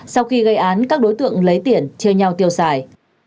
sau khi gây án các đối tượng lấy tiền chia nhau tiêu xài